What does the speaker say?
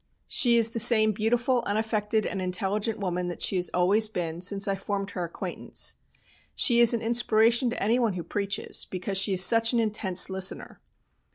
She is the same beautiful, unaffected, and intelligent woman that she has always been since I formed her acquaintance. She is an inspiration to anyone who preaches, because she is such an intense listener.